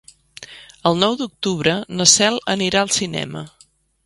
El nou d'octubre na Cel anirà al cinema.